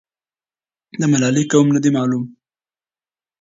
د ملالۍ قوم نه دی معلوم.